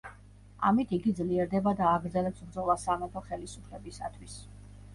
ამით იგი ძლიერდება და აგრძელებს ბრძოლას სამეფო ხელისუფლებისათვის.